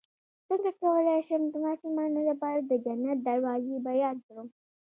څنګه کولی شم د ماشومانو لپاره د جنت دروازې بیان کړم